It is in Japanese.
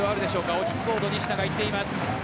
落ち着こうと西田が言っています